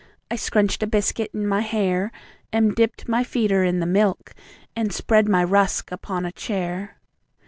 I scrunched a biscuit in my hair, And dipped my feeder in the milk, And spread my rusk upon a chair.